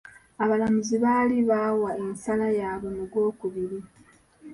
Abalamuzi baali bawa ensala yaabwe mu gw'okubiri.